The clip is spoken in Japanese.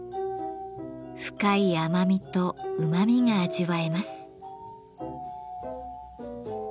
深い甘みとうまみが味わえます。